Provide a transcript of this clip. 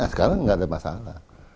sekarang tidak ada masalah